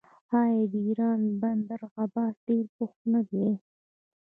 آیا د ایران بندر عباس ډیر بوخت نه دی؟